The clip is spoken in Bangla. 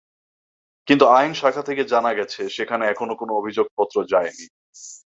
কিন্তু আইন শাখা থেকে জানা গেছে, সেখানে এখনো কোনো অভিযোগপত্র যায়নি।